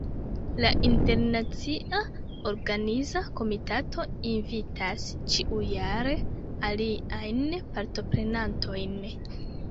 La internacia organiza komitato invitas ĉiujare aliajn partoprenantojn.